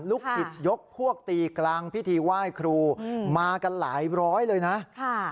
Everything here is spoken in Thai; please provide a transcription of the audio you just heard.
ลูกศิษยกพวกตีกลางพิธีไหว้ครูมากันหลายร้อยเลยนะค่ะ